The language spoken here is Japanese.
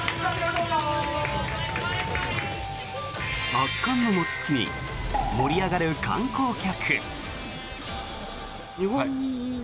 圧巻の餅つきに盛り上がる観光客。